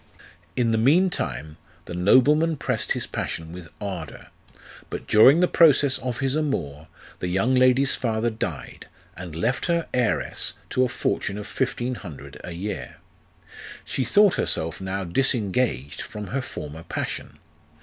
In the mean time, the nobleman pressed his passion with ardour ; but during the progress of his amour, the young lady's father died, and left her heiress to a fortune of fifteen hundred a year. She thought herself now disengaged from her former passion.